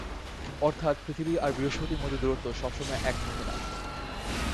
অর্থাৎ পৃথিবী আর বৃহঃস্পতির মধ্যে দূরত্ব সবসময় এক থাকে না।